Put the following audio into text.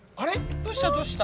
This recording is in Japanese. どうしたどうした？